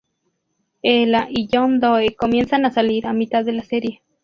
Ella y John Doe comienzan a salir a mitad de la serie.